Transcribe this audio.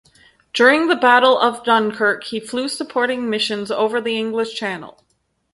During the Battle of Dunkirk he flew supporting missions over the English Channel.